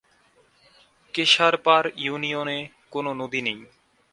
কেশারপাড় ইউনিয়নে কোন নদী নেই।